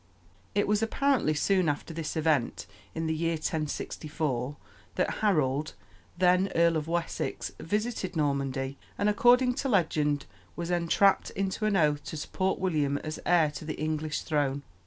It was apparently soon after this event, in the year 1064, that Harold, then Earl of Wessex, visited Normandy, and, according to legend, was entrapped into an oath to support William as heir to the English throne.